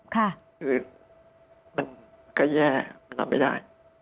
คือมันก็แย่มันรับไม่ได้